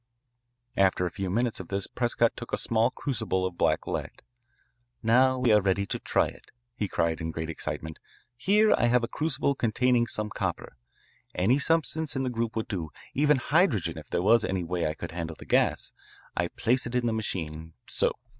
After a few minutes of this Prescott took a small crucible of black lead. "Now we are ready to try it," he cried in great excitement. "Here I have a crucible containing some copper. Any substance in the group would do, even hydrogen if there was any way I could handle the gas. I place it in the machine so.